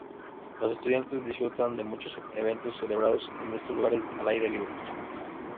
Los estudiantes disfrutan de muchos eventos celebrados en estos lugares al aire libre.